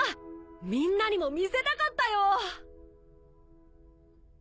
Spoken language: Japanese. みんなにも見せたかったよ！